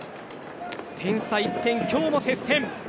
点差１点、今日も接戦。